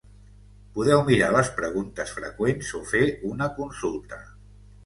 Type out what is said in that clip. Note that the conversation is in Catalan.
Podeu mirar les preguntes freqüents o fer una consulta.